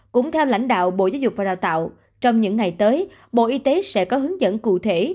cũng theo lãnh đạo bộ giáo dục và đào tạo trong những ngày tới bộ y tế sẽ có hướng dẫn cụ thể